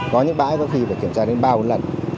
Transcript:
có những bãi có khi phải kiểm tra đến bao nhiêu lần